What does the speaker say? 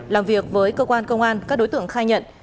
làm việc với cơ quan công an các đối tượng khai nhận